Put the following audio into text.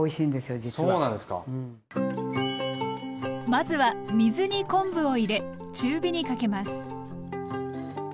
まずは水に昆布を入れ中火にかけます。